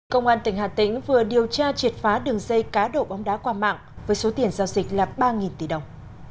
công an tỉnh hà tĩnh vừa điều tra triệt phá đường dây cá độ bóng đá qua mạng với số tiền giao dịch là ba tỷ đồng